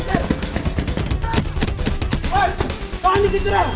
hei tahan di situ